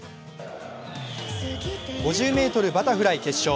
５０ｍバタフライ決勝。